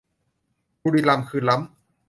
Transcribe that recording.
บุรีรัมย์คือล้ำ